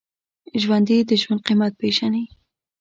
ژوندي د ژوند قېمت پېژني